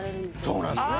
そうなんですね